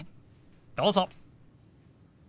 どうぞ。